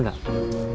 gue gak ikut deh